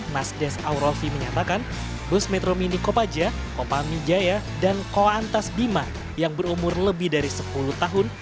mas des aurovi menyatakan bus metro mini kopaja kopamijaya dan koantas bima yang berumur lebih dari sepuluh tahun